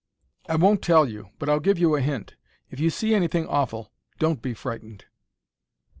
"I won't tell you, but I'll give you a hint. If you see anything awful, don't be frightened."